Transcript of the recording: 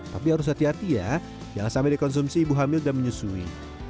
tapi harus hati hati ya jangan sampai dikonsumsi ibu hamil dan menyusui